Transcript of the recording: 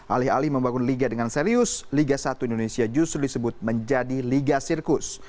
alih alih membangun liga dengan serius liga satu indonesia justru disebut menjadi liga sirkus